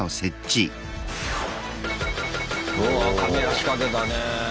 うわカメラ仕掛けたね。